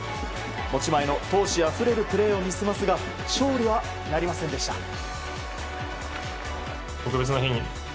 持ち前の闘志あふれるプレーを見せますが勝利は、なりませんでした。